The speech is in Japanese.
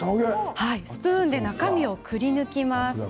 スプーンで中身をくりぬきます。